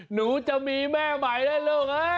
หนูจะมีแม่ใหม่แล้วลูก